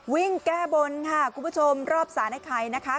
วิ่งแก้บนค่ะคุณผู้ชมรอบศาลไก๋นะคะ